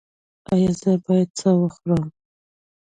ایا زه باید خور شم؟